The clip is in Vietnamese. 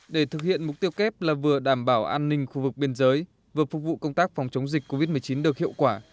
để thực hiện mục tiêu kép là vừa đảm bảo an ninh khu vực biên giới vừa phục vụ công tác phòng chống dịch covid một mươi chín được hiệu quả